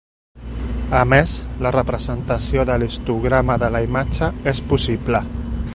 A més, la representació de l'histograma de la imatge és possible.